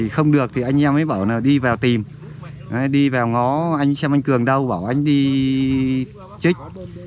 không được thì anh em mới bảo đi vào tìm đi vào ngõ anh xem anh cường đâu bảo anh đi trích